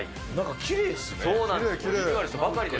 きれいですね。